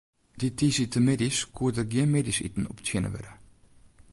Dy tiisdeitemiddeis koe der gjin middeisiten optsjinne wurde.